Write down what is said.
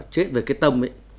chết về cái tâm ấy